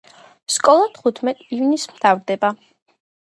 სკოლა თუთხმეტ ივნის მთავრდება